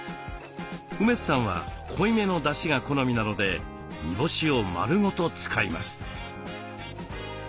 梅津さんは濃いめのだしが好みなので煮干しを丸ごと使います。